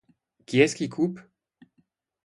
Qui est-ce qui coupe?